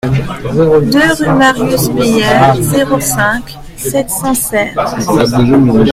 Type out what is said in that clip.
deux rue Marius Meyère, zéro cinq, sept cents Serres